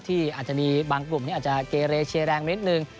อาจจะมีบางกลุ่มที่อาจจะเกเรเชียแรงนิดนึง